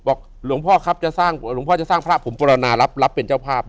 บอกหลวงพ่อครับหลวงพ่อจะสร้างพระผมปรนารับรับเป็นเจ้าภาพ